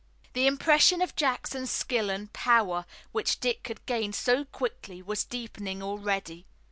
The impression of Jackson's skill and power which Dick had gained so quickly was deepening already.